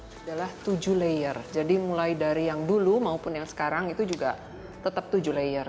adalah tujuh layer jadi mulai dari yang dulu maupun yang sekarang itu juga tetap tujuh layer